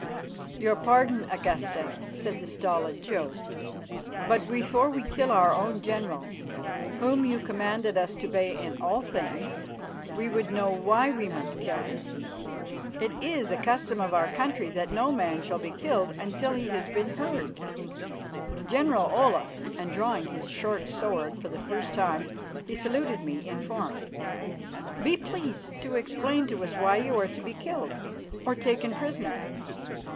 "Your pardon, Augusta," said the stolid Jodd, "but before we kill our own general, whom you commanded us to obey in all things, we would know why we must kill him. It is a custom of our country that no man shall be killed until he has been heard. General Olaf," and drawing his short sword for the first time, he saluted me in form, "be pleased to explain to us why you are to be killed or taken prisoner."